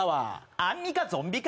アンミカ、ゾンビ化！